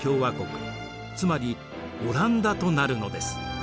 つまりオランダとなるのです。